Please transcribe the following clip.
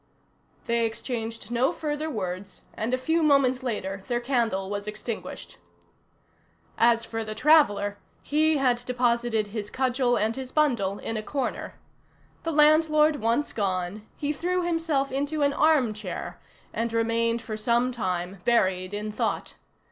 They exchanged no further words, and a few moments later their candle was extinguished. As for the traveller, he had deposited his cudgel and his bundle in a corner. The landlord once gone, he threw himself into an armchair and remained for some time buried in thought.